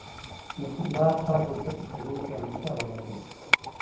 د کندهار ښار بنسټ ايښونکی احمد شاه بابا دی